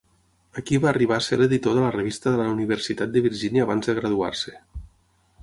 Aquí va arribar a ser l'editor de la revista de la Universitat de Virginia abans de graduar-se.